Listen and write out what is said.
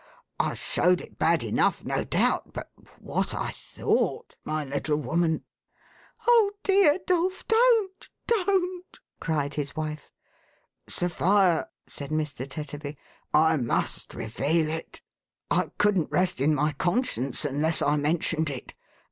I showed it bad enough, no doubt; but what I thought, niv little woman !"" Oh, dear Dolf, don't ! Don't !" cried his wife. "Sophia," said Mr. Tetterby, "I must reveal it. I couldn't rest in my conscience unless I mentioned it.